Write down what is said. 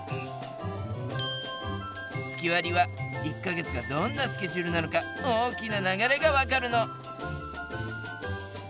月割りは１か月がどんなスケジュールなのか大きな流れがわかるの。